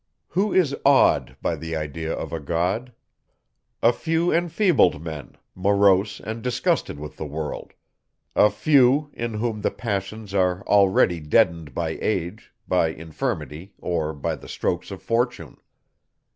Who is awed by the idea of a God? A few enfeebled men, morose and disgusted with the world; a few, in whom the passions are already deadened by age, by infirmity, or by the strokes of fortune.